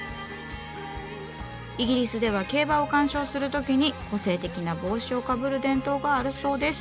イギリスでは競馬を鑑賞するときに個性的な帽子をかぶる伝統があるそうです。